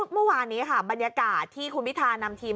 เมื่อวานนี้ค่ะบรรยากาศที่คุณพิธานำทีม